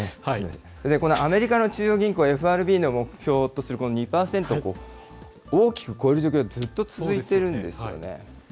このアメリカの中央銀行、ＦＲＢの目標とする２％、大きく超える状況、ずっと続いてるんですよね。